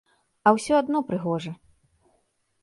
А ўсё адно прыгожа!